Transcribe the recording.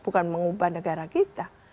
bukan mengubah negara kita